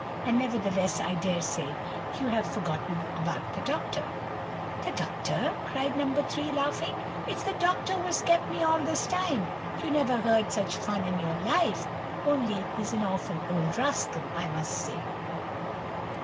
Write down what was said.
And nevertheless I dare say you have forgotten about the Doctor." "The Doctor!" cried No. 3, laughing,—"It's the Doctor who has kept me all this time. You never heard such fun in your life,—only he's an awful old rascal, I must say!"